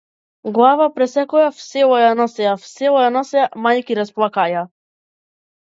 Глава пресекоја в села ја носеја, в села ја носеја мајки расплакаја.